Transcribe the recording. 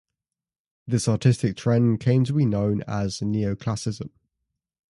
This artistic trend came to be known as Neoclassicism.